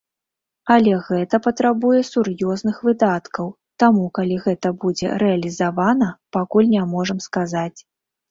Але гэта патрабуе сур'ёзных выдаткаў, таму калі гэта будзе рэалізавана, пакуль не можам сказаць.